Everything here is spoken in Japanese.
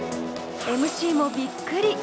ＭＣもびっくり！